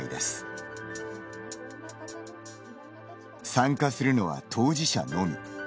参加するのは当事者のみ。